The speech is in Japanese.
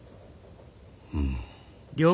うん。